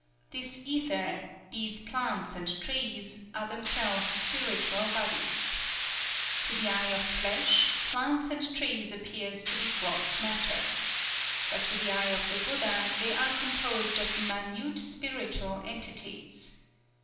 This ether, these plants and trees, are themselves spiritual bodies. To the eye of flesh, plants and trees appear to be gross matter. But to the eye of the Buddha they are composed of minute spiritual entities.